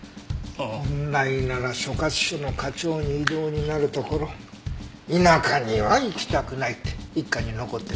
本来なら所轄署の課長に異動になるところ田舎には行きたくないって一課に残ってるみたいですけど。